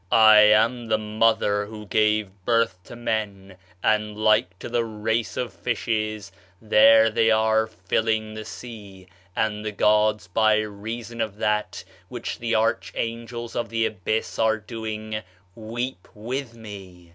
I am the mother who gave birth to men, and like to the race of fishes, there they are filling the sea; and the gods, by reason of that which the archangels of the abyss are doing, weep with me."